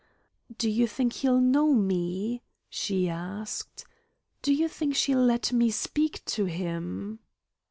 "Do you think he'll know me?" she asked. "Do you think she'll let me speak to him?"